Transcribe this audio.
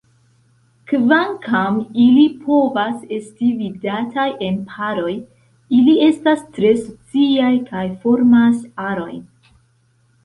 Kvankam ili povas esti vidataj en paroj, ili estas tre sociaj kaj formas arojn.